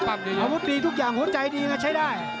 อาวุธดีทุกอย่างหัวใจดีไงใช้ได้